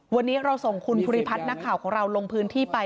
วันนี้เราส่งคุณภูริพัฒน์นักข่าวของเราลงพื้นที่ไป